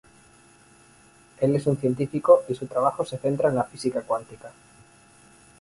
Él es un científico, y su trabajo se centra en la física cuántica.